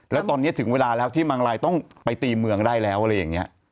แล้วตอนนี้ถึงเวลาแล้วที่มังลายต้องไปตีเมืองได้แล้วอะไรอย่างนี้